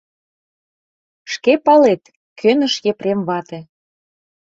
— Шке палет, — кӧныш Епрем вате.